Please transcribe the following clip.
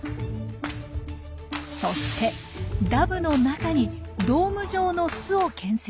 そしてダムの中にドーム状の巣を建設。